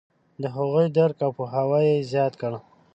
د هغوی درک او پوهاوی یې زیات کړ.